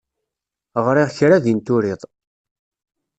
Ɣriɣ kra din turiḍ.